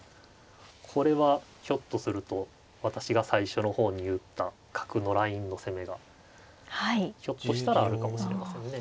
これはひょっとすると私が最初の方に言った角のラインの攻めがひょっとしたらあるかもしれませんね。